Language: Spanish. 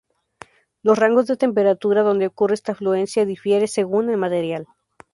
Los rangos de temperatura donde ocurre esta fluencia difiere según el material.